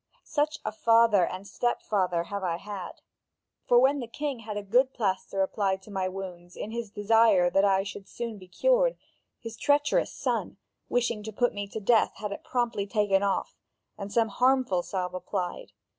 Such a father and stepfather have I had! For when the king had a good plaster applied to my wounds in his desire that I should soon be cured, his treacherous son, wishing to put me to death, had it promptly taken off and some harmful salve applied.